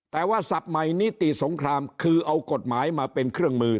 แต่ว่าศัพท์ใหม่นิติสงครามคือเอากฎหมายมาเป็นเครื่องมือ